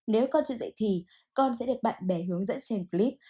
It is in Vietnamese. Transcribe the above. nếu con chưa dạy thì con sẽ được bạn bè hướng dẫn xem clip